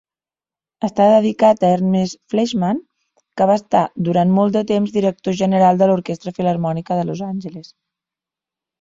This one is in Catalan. Està dedicat a Ernest Fleischmann, que va estar durant molt de temps director general a l'Orquestra Filharmònica de Los Angeles.